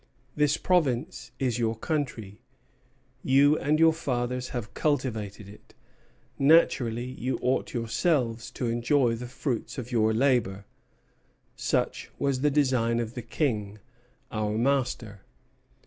This province is your country. You and your fathers have cultivated it; naturally you ought yourselves to enjoy the fruits of your labor. Such was the design of the King, our master.